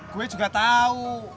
gue juga tahu